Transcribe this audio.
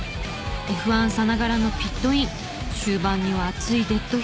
Ｆ１さながらのピットイン終盤には熱いデッドヒートまで。